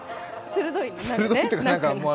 鋭いというか。